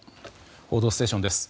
「報道ステーション」です。